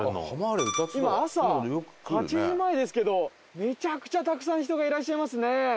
今朝８時前ですけどめちゃくちゃたくさん人がいらっしゃいますね。